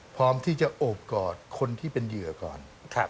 พร้อมที่จะโอบกอดคนที่เป็นเหยื่อก่อน